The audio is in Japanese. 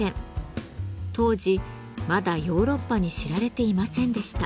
当時まだヨーロッパに知られていませんでした。